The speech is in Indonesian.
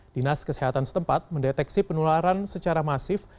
dinas kesehatan setempat mendeteksi penularan secara masif